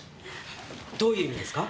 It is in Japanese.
⁉どういう意味ですか？